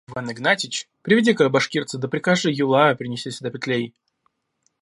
Иван Игнатьич, приведи-ка башкирца да прикажи Юлаю принести сюда плетей.